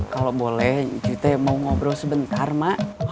kalau boleh cuy teh mau ngobrol sebentar mak